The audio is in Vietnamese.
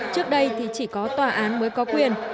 trước đây thì chỉ có tòa án mới có quyền